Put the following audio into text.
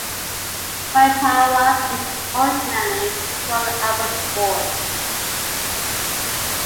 Waipawa was originally called Abbotsford.